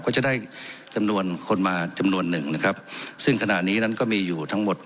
ก็จะได้จำนวนคนมาจำนวนหนึ่งนะครับซึ่งขณะนี้นั้นก็มีอยู่ทั้งหมด